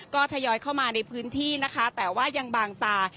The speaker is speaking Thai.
ก็ทยอยเข้ามาในพื้นที่นะคะแต่ว่ายังบางตา